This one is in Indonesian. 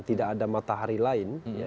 tidak ada matahari lain